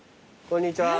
こんにちは。